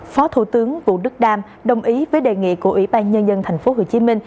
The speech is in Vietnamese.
phó thủ tướng vũ đức đam đồng ý với đề nghị của ủy ban nhân dân tp hcm